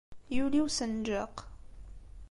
Yuli usenǧaq.